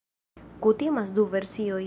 Kutimas du versioj.